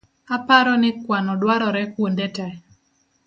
Aparo ni kuano dwarore kuonde tee